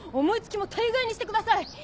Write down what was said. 思い付きも大概にしてください」。